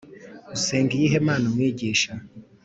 Usenga iyihe Mana Umwigisha